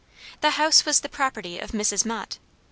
The house was the property of Mrs. Motte.